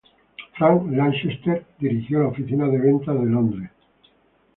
Frank Lanchester dirigió la oficina de ventas de Londres.